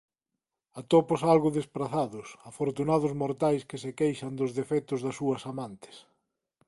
Atópoos algo desprazados, afortunados mortais que se queixan dos defectos das súas amantes!